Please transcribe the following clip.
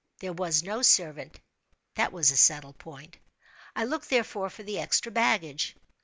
There was no servant—that was a settled point. I looked, therefore, for the extra baggage.